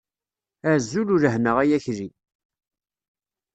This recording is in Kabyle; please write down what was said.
Azul ulehna ay Akli!